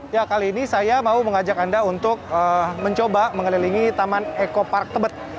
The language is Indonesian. ya kali ini saya mau mengajak anda untuk mencoba mengelilingi taman eko park tebet